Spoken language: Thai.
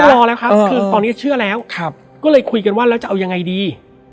รอแล้วครับคือตอนนี้เชื่อแล้วก็เลยคุยกันว่าแล้วจะเอายังไงดี